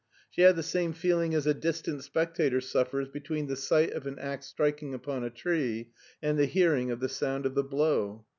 She had the same feeling as a distant spectator suffers between the sight of an ax striking upon a tree and the hearing of the sound of the blow.